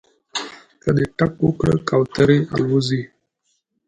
که دې ټک وکړ کوترې الوځي